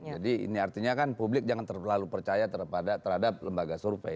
jadi ini artinya kan publik jangan terlalu percaya terhadap lembaga survei